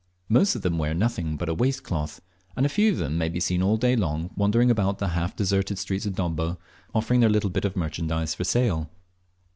Most of them wear nothing but a waist cloth, and a few of them may be seen all day long wandering about the half deserted streets of Dobbo offering their little bit of merchandise for sale.